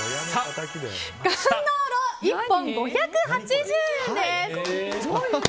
カンノーロ、１本５８０円です。